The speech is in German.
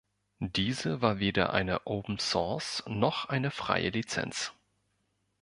Diese war weder eine Open-Source- noch eine freie Lizenz.